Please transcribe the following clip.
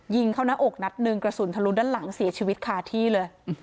ยิงเข้าหน้าอกนัดหนึ่งกระสุนทะลุด้านหลังเสียชีวิตคาที่เลย